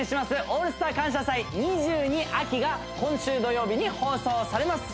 「オールスター感謝祭’２２秋」が今週土曜日に放送されます